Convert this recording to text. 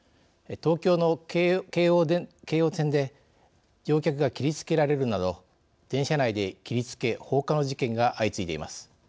東京の京王線で乗客が切りつけられるなど電車内で切りつけ放火の事件が相次いでいます。